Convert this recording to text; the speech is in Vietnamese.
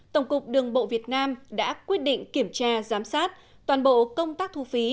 tổng cục đường bộ việt nam đã quyết định kiểm tra giám sát toàn bộ công tác thu phí